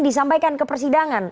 disampaikan ke persidangan